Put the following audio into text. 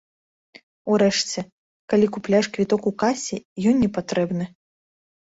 Урэшце, калі купляеш квіток у касе, ён не патрэбны.